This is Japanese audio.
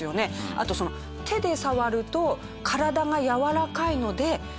あと手で触ると体がやわらかいので傷つけてしまう。